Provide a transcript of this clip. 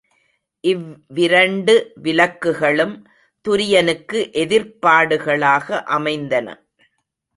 இவ் விரண்டு விலக்குகளும் துரியனுக்கு எதிர்ப்பாடுகளாக அமைந்தன.